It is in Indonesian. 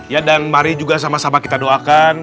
ya dan mari juga sama sama kita doakan